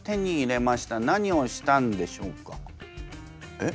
えっ？